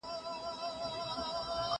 ليکنې د زده کوونکي له خوا کيږي!!